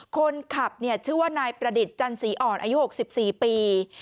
คนขับชื่อว่านายประดิษฐ์จันสีอ่อนอายุ๖๔ปี